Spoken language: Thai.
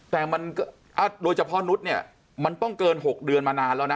แต่มันโดยเฉพาะนุษย์เนี่ยมันต้องเกิน๖เดือนมานานแล้วนะ